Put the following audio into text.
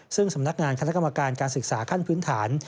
ซึ่งสำนักงานคณะกรรมการการศึกษาขั้นพื้นฐาน